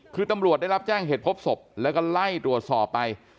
คือตำรวจได้รับแจ้งเหตุพบศพแล้วก็ไล่ตรวจสอบไป